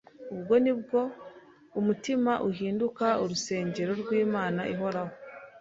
Ubwo ni bwo umutima uhinduka urusengero rw’Imana ihoraho.